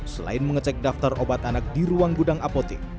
selain mengecek daftar obat anak di ruang gudang apotik